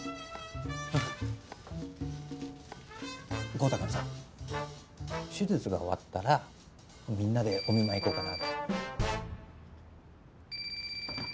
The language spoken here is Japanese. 豪太くんさ手術が終わったらみんなでお見舞い行こうかな。